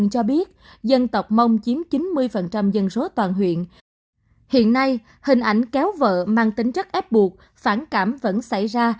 hiện nay hình ảnh kéo vợ mang tính chất ép buộc phản cảm vẫn xảy ra